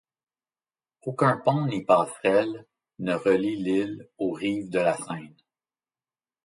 Aucun pont ni passerelle ne relie l'île aux rives de la Seine.